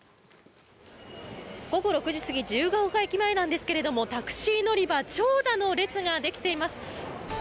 午後６時過ぎ自由が丘駅前なんですがタクシー乗り場長蛇の列ができています。